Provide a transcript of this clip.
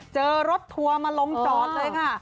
เจอรถทัวร์มาลงจอดเลยค่ะ